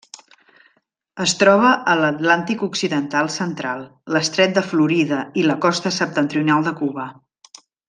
Es troba a l'Atlàntic occidental central: l'estret de Florida i la costa septentrional de Cuba.